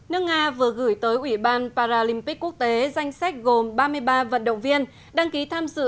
nước nga vừa gửi tới ủy ban paralympic quốc tế danh sách gồm ba mươi ba vận động viên đăng ký tham dự